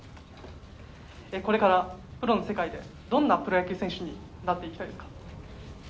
これからプロの世界でどんなプロ野球選手になっていきたいですか。